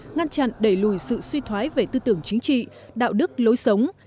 ngăn chặn đẩy lùi sự suy thoái về tư tưởng chính trị đạo đức lối sống